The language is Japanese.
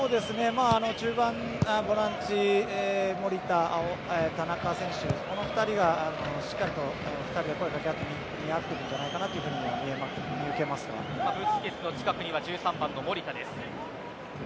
中盤、ボランチ守田、田中選手、この２人がしっかりと２人で声掛け合ってやっているとブスケツの近くには１３番の守田です。